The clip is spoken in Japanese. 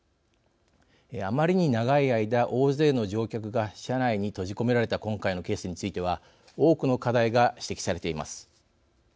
あまりに長い間、大勢の乗客が車内に閉じ込められた今回のケースについては多くの課題が指摘されています。